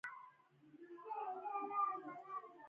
د ونو ترمنځ رشقه کرل کیږي.